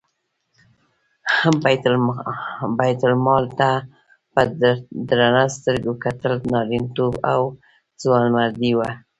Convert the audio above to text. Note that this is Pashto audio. بیت المال ته په درنه سترګه کتل نارینتوب او ځوانمردي وه.